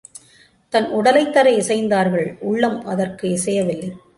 தன் உடலைத் தர இசைந்தார்கள் உள்ளம் அதற்கு இசையவில்லை.